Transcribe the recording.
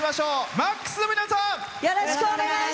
ＭＡＸの皆さん。